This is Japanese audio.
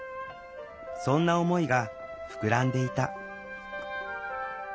そんな思いが膨らんでいた。